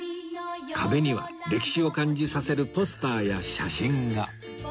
壁には歴史を感じさせるポスターや写真が